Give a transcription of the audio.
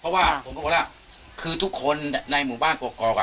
เพราะว่าผมก็บอกว่าคือทุกคนในหมู่บ้านกรอกอ่ะ